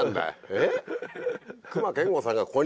えっ？